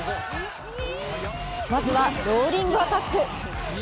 まずは、ローリングアタック。